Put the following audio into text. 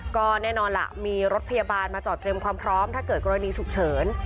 ก็แน่นอนล่ะมีรถพยาบาลมาจอดเตรียมความพร้อมถ้าเกิดกรณีฉุกเฉิน